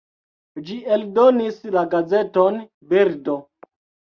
Ĝi eldonis la gazeton "Birdo".